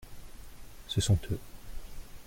Ce sont eux.